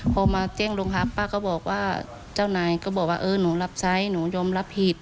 พอมาแจ้งโรงพักป้าก็บอกว่าเจ้านายก็บอกว่าเออหนูรับใช้หนูยอมรับผิด